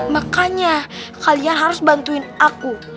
makanya kalian harus bantuin aku